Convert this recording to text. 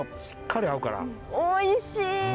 おいしい！